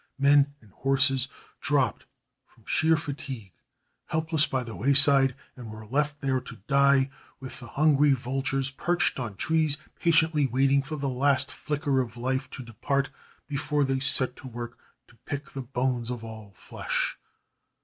Men and horses dropped from sheer fatigue helpless by the wayside, and were left there to die, with the hungry vultures perched on trees, patiently waiting for the last flicker of life to depart before they set to work to pick the bones of all flesh.